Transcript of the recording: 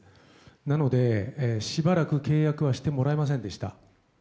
なので、しばらく契約はしてもらえませんでした。